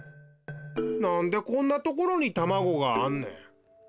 なんでこんなところにたまごがあんねん。